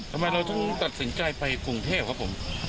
ทำไมเราถึงตัดสินใจไปกรุงเทพครับผม